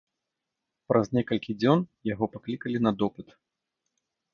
Праз некалькі дзён яго паклікалі на допыт.